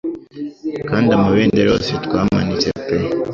Kandi amabendera yose twamanitse pe